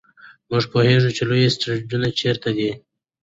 موږ پوهېږو چې لوی اسټروېډونه چیرته دي.